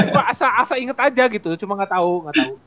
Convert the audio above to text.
gue asa asa inget aja gitu cuma ga tau ga tau